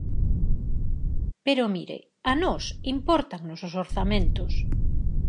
Pero, mire, a nós impórtannos os orzamentos.